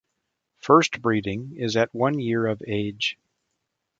First breeding is at one year of age.